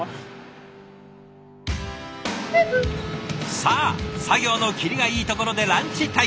さあ作業の切りがいいところでランチタイム。